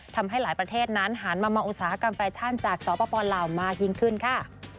ทำให้หลายประเทศนั้นหันมามาอุตสาหกรรมแฟชั่นจากสปลาวมากยิ่งขึ้นค่ะ